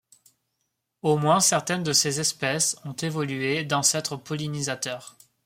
Au moins certaines de ces espèces ont évolué d'ancêtres pollinisateurs.